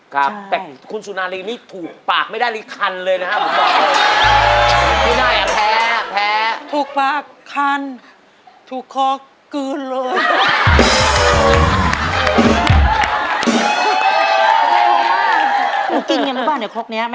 ครับแต่คุณสุนารีนี่ถูกปากไม่ได้เลยคันเลยนะครับผมบอกเลย